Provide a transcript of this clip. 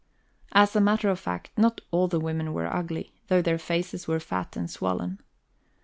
As a matter of fact, not all the women were ugly, though their faces were fat and swollen.